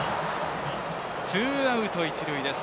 ツーアウト、一塁。